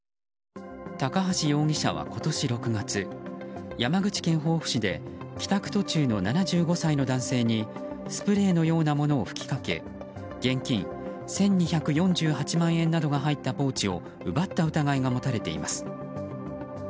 高橋容疑者は今年６月山口県防府市で帰宅途中の７５歳の男性にスプレーのようなものを吹きかけ現金１２４８万円が入ったポーチを奪った疑いが持たれています。